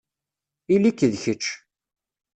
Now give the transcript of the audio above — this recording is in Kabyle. Ili-k d kečč.